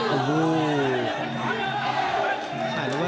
โอ้โห